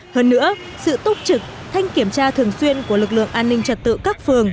hơn nữa sự túc trực thanh kiểm tra thường xuyên của lực lượng an ninh trật tự các phường